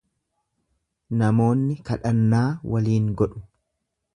Namoonni kadhannaa waliin godhu.